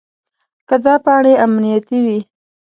که دا پاڼې امنیتي وي.